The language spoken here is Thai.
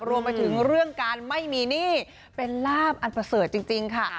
รวมไปถึงเรื่องการไม่มีหนี้เป็นลาบอันประเสริฐจริงค่ะ